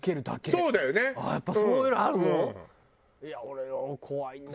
いや俺は怖い。